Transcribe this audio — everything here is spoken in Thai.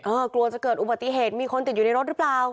กลัวจะเกิดอุบัติเหตุมีคนติดอยู่ในรถหรือเปล่า